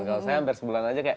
kalau saya hampir sebulan aja kayak